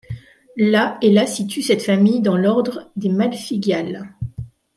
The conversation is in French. La et la situent cette famille dans l'ordre des Malpighiales.